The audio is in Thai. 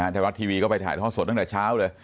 ไทยรัฐทีวีก็ไปถ่ายท่อสดตั้งแต่เช้าเลย